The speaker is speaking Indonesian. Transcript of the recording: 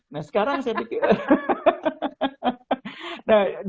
nah sekarang saya pikir